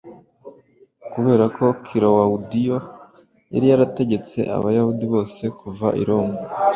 Kubera ko Kilawudiyo yari yarategetse Abayahudi bose kuva i Roma,